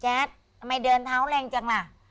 ทำไมเดินเท้าแรงจังล่ะ